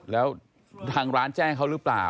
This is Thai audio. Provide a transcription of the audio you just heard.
แล้วทางร้านแจ้งเขาหรือเปล่า